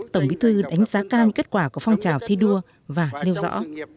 tổng bí thư đánh giá cao kết quả của phong trào thi đua và nêu rõ